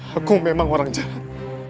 aku memang orang jahat